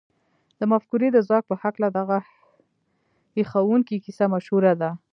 د مفکورې د ځواک په هکله دغه هيښوونکې کيسه مشهوره ده.